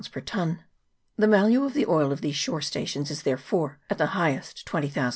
per tun. The value of the oil of these shore stations is, therefore, at the high est, 20,000